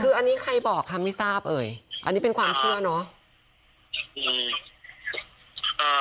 คืออันนี้ใครบอกค่ะไม่ทราบเอ่ยอันนี้เป็นความเชื่อเนอะ